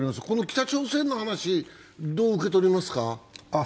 この北朝鮮の話、どう受け取りますか？